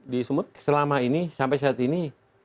di semut selama ini sampai saat ini